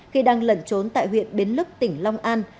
khi đang lẩn trốn tại huyện bến lức tỉnh long an